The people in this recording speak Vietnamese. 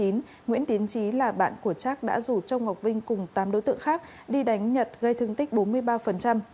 nguyễn tiến trí là bạn của trác đã rủ châu ngọc vinh cùng tám đối tượng khác đi đánh nhật gây thương tích bốn mươi ba